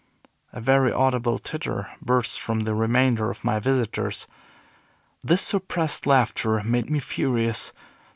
A very audible titter burst from the remainder of my visitors. This suppressed laughter made me furious.